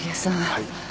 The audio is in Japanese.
はい。